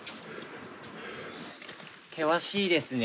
険しいですね。